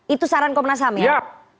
itu saran komnas ham ya